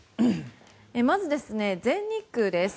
まず、全日空です。